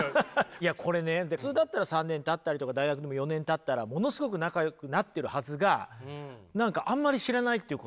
いやこれね普通だったら３年たったりとか大学でも４年たったらものすごく仲よくなってるはずが何かあんまり知らないっていうことがね。